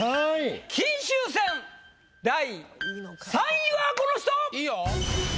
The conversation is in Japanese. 金秋戦第３位はこの人！